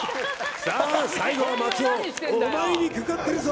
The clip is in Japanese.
さあ最後は松尾お前にかかってるぞ！